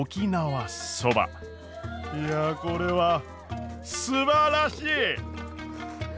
いやこれはすばらしい！